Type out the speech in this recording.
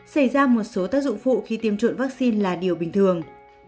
xảy ra một số tác dụng phụ khi tiêm chủng vaccine là điều bình thường